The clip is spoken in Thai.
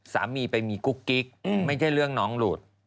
สามีไปมีกุ๊กกิ๊กไม่ใช่เรื่องน้องหลุด